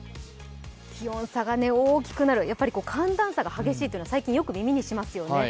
気温差が大きくなる、寒暖差が激しいというのは最近よく耳にしますよね。